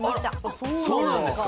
そうなんですか？